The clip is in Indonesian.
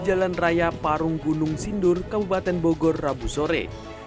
jalan raya parung gunung sindur kabupaten bogor rabu sore